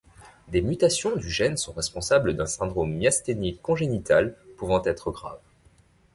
Des mutations du gènes sont responsables d'un syndrome myasthénique congénital pouvant être grave.